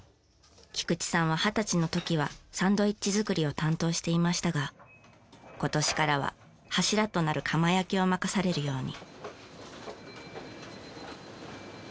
菊池さんは二十歳の時はサンドイッチ作りを担当していましたが今年からは柱となる窯焼きを任されるように。